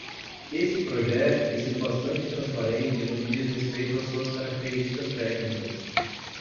Este projeto tem sido bastante transparente no que diz respeito às suas características técnicas.